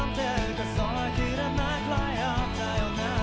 「数え切れないくらいあったよな」